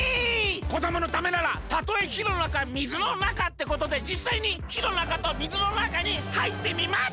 こどものためならたとえひのなかみずのなかってことでじっさいにひのなかとみずのなかにはいってみます！